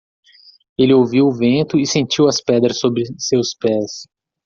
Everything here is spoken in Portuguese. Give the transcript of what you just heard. Ele ouviu o vento e sentiu as pedras sob seus pés.